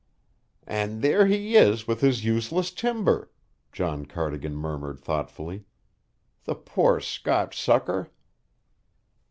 "And there he is with his useless timber!" John Cardigan murmured thoughtfully. "The poor Scotch sucker!"